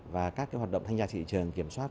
và các hoạt động thanh tra thị trường kiểm soát